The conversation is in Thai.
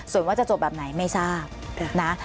ส่วนว่าจะจบแบบไหนไม่ทราบนะ